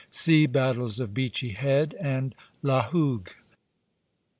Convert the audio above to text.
SEA BATTLES OF BEACHY HEAD AND LA HOUGUE.